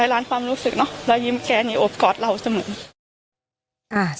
ร้อยล้านความรู้สึกร้อยยิ้มแกนี่โอบกอดเราสมมุติ